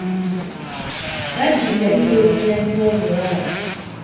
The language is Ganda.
Badru yali yeeguya nnyo omuwala.